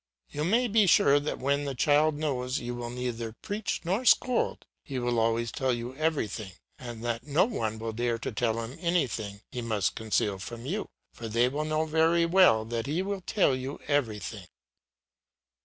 You may be sure that when the child knows you will neither preach nor scold, he will always tell you everything, and that no one will dare to tell him anything he must conceal from you, for they will know very well that he will tell you everything.